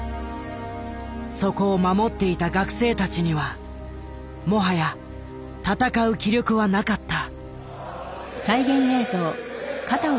そこを守っていた学生たちにはもはや闘う気力はなかった。